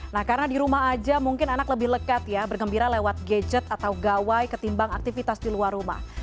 nah karena di rumah aja mungkin anak lebih lekat ya bergembira lewat gadget atau gawai ketimbang aktivitas di luar rumah